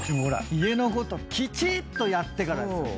家のこときちっとやってからですよね。